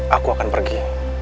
aku akan pergi